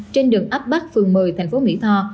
trên đường ấp bắc phường một mươi thành phố mỹ tho